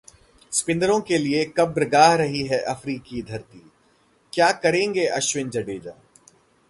स्पिनरों के लिए कब्रगाह रही है अफ्रीकी धरती, क्या करेंगे अश्विन-जडेजा?